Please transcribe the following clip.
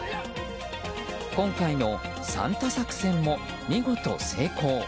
今回のサンタ作戦も見事成功。